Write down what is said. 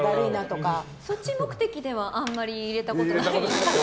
そっち目的ではあんまり入れたことないですけど。